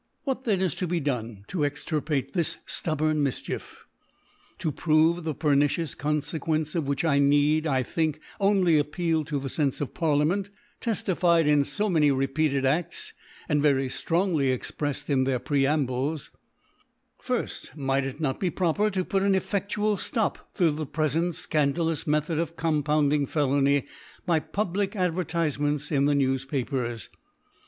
What then is to be done, ro extirpate this flubborn Miichief ? to prove the pernicioas Confequence of which, I need, I thinks on ly appeal to the Senfe of Parliament, tefti* bed in fo many repeated jft^s, and very ftrongly expreffcrd in their Preambles, Firft, Might it not be proper to put an efl^uai Stop to the prefeot fcandalous Me tliod of compounding Felony, by public Advertifements in the News Papers